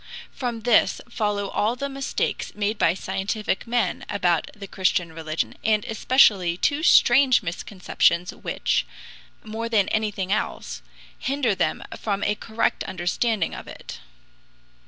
From this follow all the mistakes made by scientific men about the Christian religion, and especially two strange misconceptions which, more than everything else, hinder them from a correct understanding of it.